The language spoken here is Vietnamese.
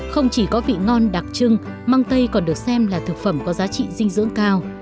không chỉ có vị ngon đặc trưng mang tây còn được xem là thực phẩm có giá trị dinh dưỡng cao